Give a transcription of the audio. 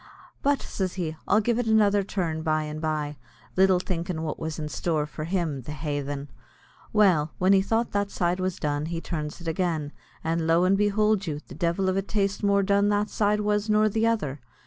"But," says he, "I'll give it another turn by and by," little thinkin' what was in store for him, the haythen. Well, when he thought that side was done he turns it agin, and lo and behould you, the divil a taste more done that side was nor the other.